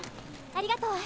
ありがとう。